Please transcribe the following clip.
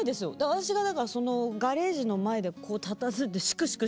私がだからそのガレージの前でこうたたずんでしくしく